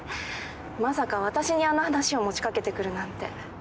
まさか私にあの話を持ち掛けてくるなんて。